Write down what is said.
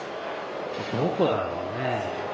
どこだろうね。